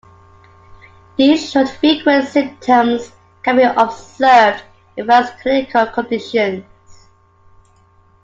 These short, frequent, symptoms can be observed in various clinical conditions.